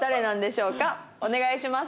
お願いします。